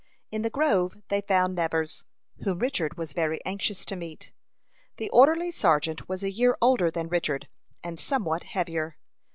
In the grove they found Nevers, whom Richard was very anxious to meet. The orderly sergeant was a year older than Richard, and somewhat heavier.